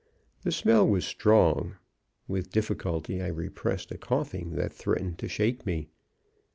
The smell was strong; with difficulty I repressed a coughing that threatened to shake me.